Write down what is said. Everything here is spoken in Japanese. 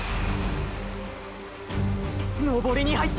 登りに入った！！